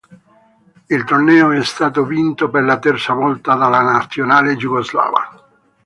Il torneo è stato vinto per la terza volta dalla nazionale jugoslava.